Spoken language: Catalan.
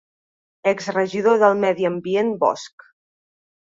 >>ex-Regidor del Medi Ambient: Bosch.